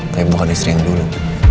tapi bukan istri yang dulu